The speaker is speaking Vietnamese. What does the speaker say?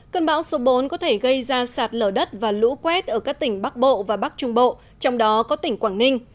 cơn bão số bốn có thể gây ra sạt lở đất và lũ quét ở các tỉnh bắc bộ và bắc trung bộ trong đó có tỉnh quảng ninh